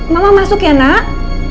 mama masuk ya nak